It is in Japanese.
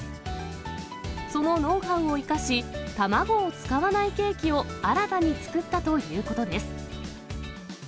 そのノウハウを生かし、卵を使わないケーキを新たに作ったということです。